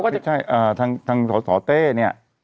ใช่ทางส่อเต้เนี่ย